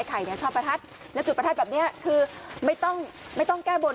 ใครเนี่ยชอบประทัดแล้วจุดประทัดแบบนี้คือไม่ต้องไม่ต้องแก้บน